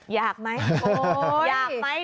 อยากไหมอยากไหม